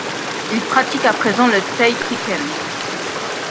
Il pratique à présent le Taikiken.